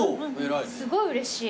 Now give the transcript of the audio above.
すごいうれしい。